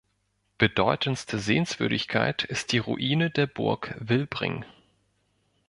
Bedeutendste Sehenswürdigkeit ist die Ruine der Burg Wilbring.